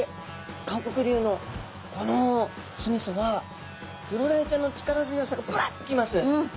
韓国流のこの酢みそはクロダイちゃんの力強さがバッと来ます。